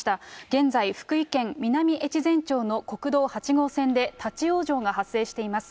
現在、福井県南越前町の国道８号線で立往生が発生しています。